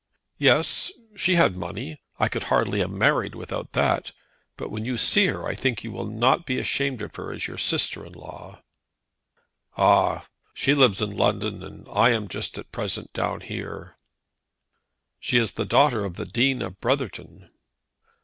"Yes; she had money. I could hardly have married without. But when you see her I think you will not be ashamed of her as your sister in law." "Ah! She lives in London and I am just at present down here." "She is the daughter of the Dean of Brotherton."